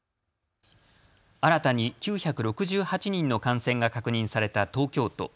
新たに９６８人の感染が確認された東京都。